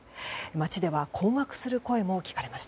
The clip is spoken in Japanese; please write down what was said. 街では困惑する声も聞かれました。